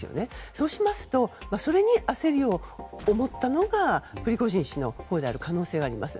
そうしますとそれに焦りを思ったのがプリゴジン氏のほうである可能性があります。